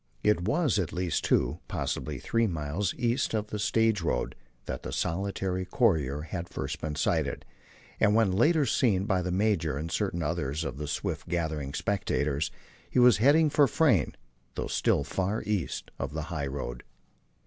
It was at least two, possibly three, miles east of the stage road that the solitary courier had first been sighted, and when later seen by the major and certain others of the swift gathering spectators, he was heading for Frayne, though still far east of the highroad.